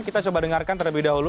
kita coba dengarkan terlebih dahulu